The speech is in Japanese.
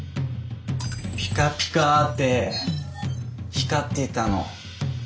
ピカピカって光っていたの。